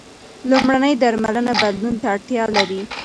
لومړنۍ درملنه بدلون ته اړتیا لري.